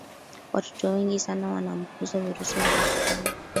watoto wengi sana wanaambukizwa virusi vya ukimwi